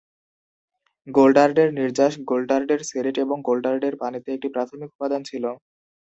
গোল্ডার্ডের নির্যাস গোল্ডার্ডের সেরেট এবং গোল্ডার্ডের পানিতে একটি প্রাথমিক উপাদান ছিল।